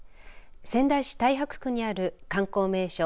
仙台市太白区にある観光名所